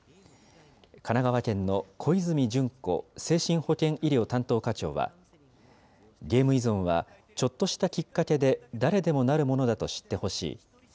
神奈川県の小泉遵子精神保健医療担当課長は、ゲーム依存はちょっとしたきっかけで、誰でもなるものだと知ってほしい。